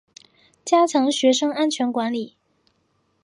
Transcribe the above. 加强学生安全管理